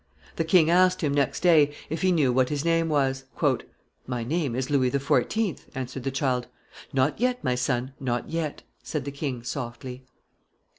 The king asked him, next day, if he knew what his name was. "My name is Louis XIV.," answered the child. "Not yet, my son, not yet," said the king, softly.